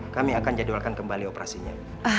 kami akan jadwalkan kembali operasinya